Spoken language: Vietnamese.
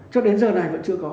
cho đến giờ này vẫn chưa có